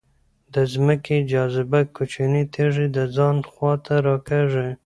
د ځمکې جاذبه کوچنۍ تیږې د ځان خواته راکاږي.